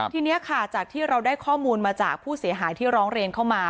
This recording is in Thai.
ทีนี้ค่ะจากที่เราได้ข้อมูลมาจากผู้เสียหายที่ร้องเรียนเข้ามา